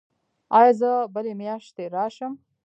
ایا زه بلې میاشتې راشم؟